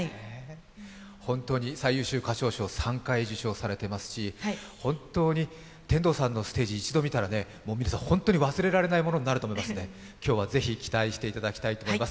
本当に最優秀歌唱賞３回受賞されていますし、天童さんのステージ、一度見たら本当に忘れられないものになると思いますので、今日はぜひ期待していただきたいと思います。